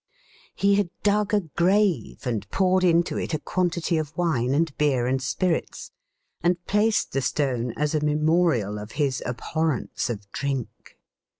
He had dug a grave, and poured into it a quantity of wine and beer and spirits, and placed the stone as a memorial of his abhorrence of drink.